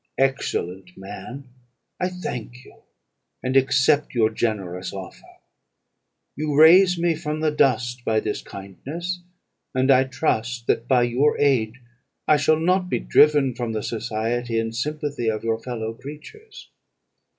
"'Excellent man! I thank you, and accept your generous offer. You raise me from the dust by this kindness; and I trust that, by your aid, I shall not be driven from the society and sympathy of your fellow creatures.'